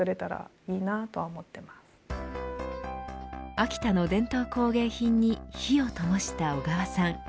秋田の伝統工芸品に火をともした小川さん。